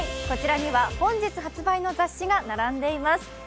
こちらには本日発売の雑誌が並んでいます。